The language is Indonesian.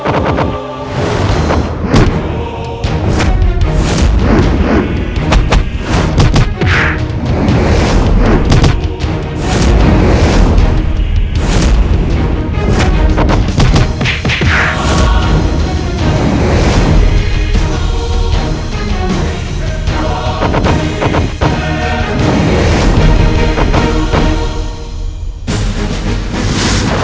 penaga puspa tingkat terakhir